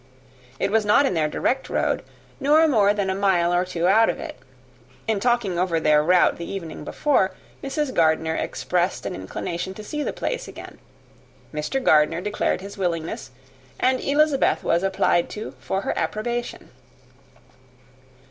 It was not in their direct road; nor more than a mile or two out of it. In talking over their route the evening before, Mrs. Gardiner expressed an inclination to see the place again. Mr. Gardiner declared his willingness, and Elizabeth was applied to for her approbation.